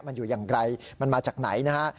มันอยู่อย่างไรมันมาจากไหนนะฮะ